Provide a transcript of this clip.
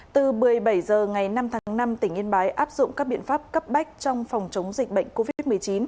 từ một mươi bảy h ngày năm tháng năm tỉnh yên bái áp dụng các biện pháp cấp bách trong phòng chống dịch bệnh covid một mươi chín